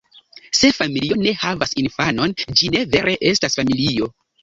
Se familio ne havas infanon, ĝi ne vere estas familio.